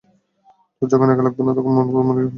তোর যখন একা লাগবে বা তোর মালিকের কারণে পেরেশান থাকবি।